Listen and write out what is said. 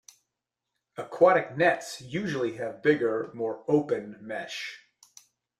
Aquatic nets usually have bigger, more 'open' mesh.